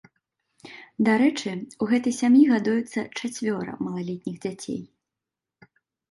Дарэчы, у гэтай сям'і гадуецца чацвёра малалетніх дзяцей.